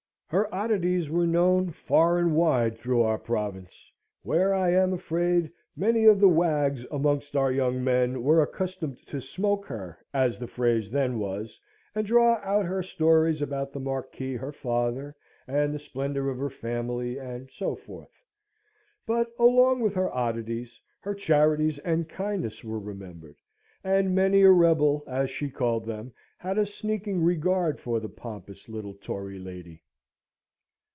Her oddities were known far and wide through our province; where, I am afraid, many of the wags amongst our young men were accustomed to smoke her, as the phrase then was, and draw out her stories about the Marquis her father, about the splendour of her family, and so forth. But along with her oddities, her charities and kindness were remembered, and many a rebel, as she called them, had a sneaking regard for the pompous little Tory lady.